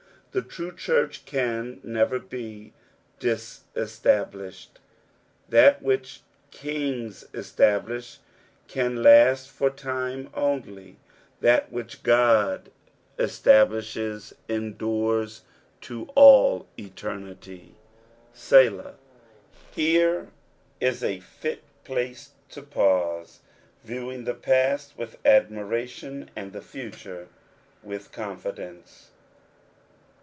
The true church can never be disestablished. That which kings establish cut last for time only, that which God establishes endures to all eternity, " Seiak" Here is a fit place to pause, viewing the past with admiration, and the futore with confidence.